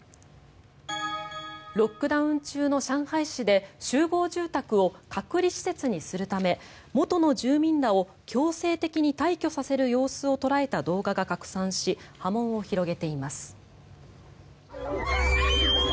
ロックダウン中の上海市で集合住宅を隔離施設にするため元の住民らを強制的に退去させる様子を捉えた動画が拡散し波紋を広げています。